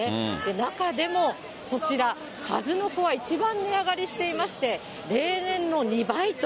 中でもこちら、かずのこは一番値上がりしていまして、例年の２倍と。